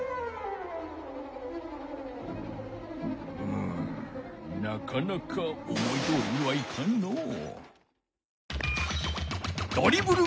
むうなかなか思いどおりにはいかんのう。